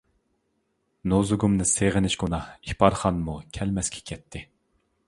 نۇزۇگۇمنى سېغىنىش گۇناھ، ئىپارخانمۇ كەلمەسكە كەتتى.